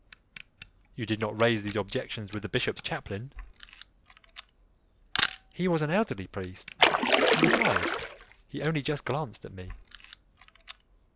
"You did not raise these objections with the bishop's chaplain." "He was an elderly priest, and besides, he only just glanced at me."